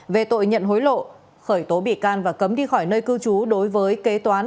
về tội nhận hối lộ khởi tố bị can và cấm đi khỏi nơi cư trú đối với kế toán